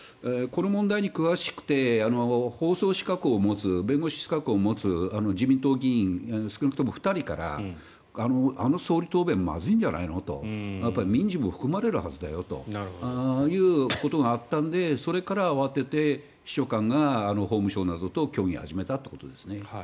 出始めて一方でこの問題に詳しくて法曹資格を持つ弁護士資格を持つ自民党議員少なくとも２人からあの総理答弁はまずいんじゃないのと民事も含まれるはずだということがあったのでそれから慌てて秘書官と協議を始めたということです。